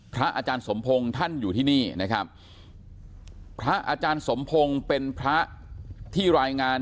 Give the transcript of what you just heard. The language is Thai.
พระอาจารย์สมพงศ์ท่านอยู่ที่นี่นะครับพระอาจารย์สมพงศ์เป็นพระที่รายงาน